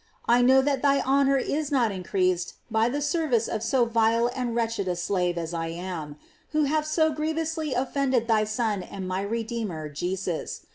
I know that thy honor is not increased by the ser» vice of so vile and wretched a slave as I arn^ who have so grievously offended thy Son and iny Redeemer Jesus.